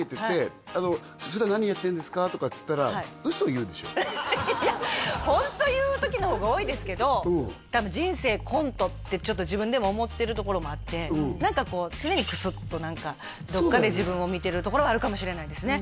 分かる分かる取材とか受けてていやホント言う時の方が多いですけど多分人生コントってちょっと自分でも思ってるところもあって何かこう常にクスッとどっかで自分を見てるところはあるかもしれないですね